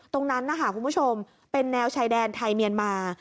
ตรงนั้นนะคะคุณผู้ชมเป็นแนวชายแดนไทยเมียนมา